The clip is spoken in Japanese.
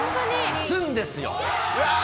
打つんですよ。